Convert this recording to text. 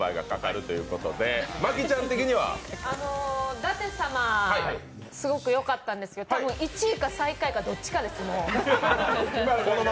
舘様、すごくよかったですけど、多分１位か最下位かどっちかですね